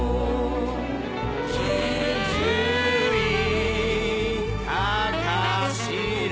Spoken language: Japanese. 「気付いたかしら」